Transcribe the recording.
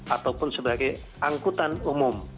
ataupun sebagai angkutan umum